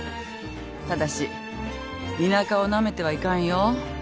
ただし田舎をなめてはいかんよ。